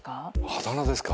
あだ名ですか。